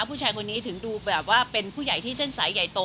ผู้ชายคนนี้ถึงดูแบบว่าเป็นผู้ใหญ่ที่เส้นสายใหญ่โต